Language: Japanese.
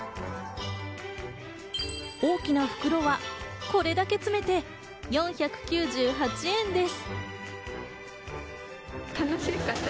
大きな袋はこれだけ詰めて４９８円です。